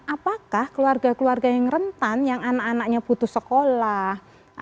apakah keluarga keluarga yang rentan yang anak anaknya putus sekolah